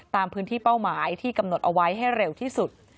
ตามพื้นที่เป้าหมายที่กำหนดเอาไว้ให้เร็วที่สุด